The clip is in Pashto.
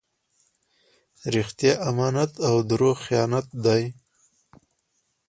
رښتیا امانت او درواغ خیانت دئ.